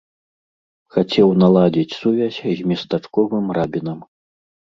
Хацеў наладзіць сувязь з местачковым рабінам.